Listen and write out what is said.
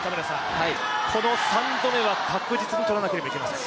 この３度目は確実に取らなければいけません。